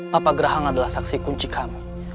papa gerahang adalah saksi kunci kami